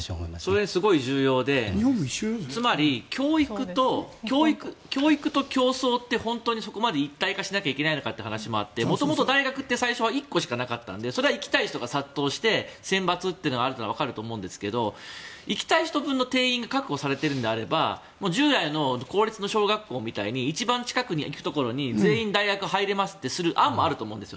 それはすごい重要でつまり教育と競争って本当にそこまで一体化しなきゃいけないのかという話もあってもともと大学って最初は１個しかなかったのでそれは行きたい人が殺到して選抜というのがあるのは分かると思うんですけど行きたい人分の定員が確保されているのであれば従来の公立の小学校みたいに一番近くに行くところに全員大学は入れますっていう案もあると思うんです。